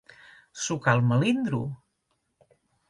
Sucar el melindro.